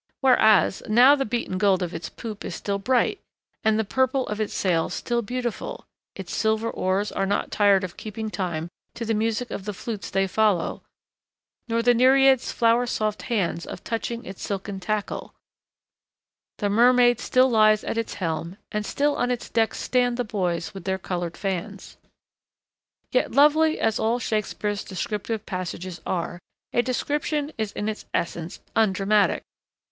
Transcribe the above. Whereas now the beaten gold of its poop is still bright, and the purple of its sails still beautiful; its silver oars are not tired of keeping time to the music of the flutes they follow, nor the Nereid's flower soft hands of touching its silken tackle; the mermaid still lies at its helm, and still on its deck stand the boys with their coloured fans. Yet lovely as all Shakespeare's descriptive passages are, a description is in its essence undramatic.